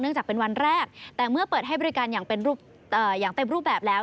จากเป็นวันแรกแต่เมื่อเปิดให้บริการอย่างเต็มรูปแบบแล้ว